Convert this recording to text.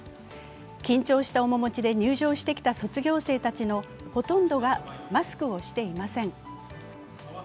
緊張した面持ちで入場してきた卒業生たちのほとんどがマスクをしていません。